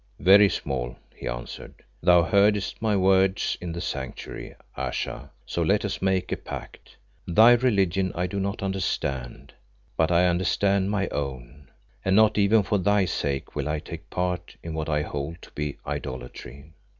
"Very small," he answered. "Thou heardest my words in the Sanctuary, Ayesha, so let us make a pact. Thy religion I do not understand, but I understand my own, and not even for thy sake will I take part in what I hold to be idolatry."